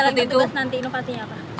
jalan bertugas nanti inovasinya apa